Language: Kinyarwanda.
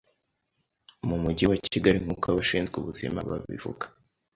mu mujyi wa Kigali nk'uko abashinzwe ubuzima babivuga.